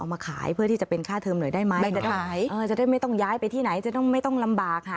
เอามาขายเพื่อที่จะเป็นค่าเทอมหน่อยได้ไหม